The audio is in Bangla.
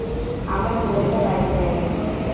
আমরা খুব একটা বাইরে যাইনি।